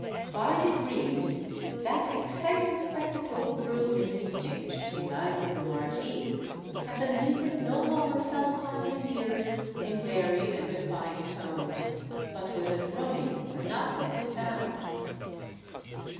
By degrees, that exciting spectacle grew indistinct to the eyes of the Marquis; and the music no longer fell upon his ears in varied and defined tones, but with a droning monotonous sound.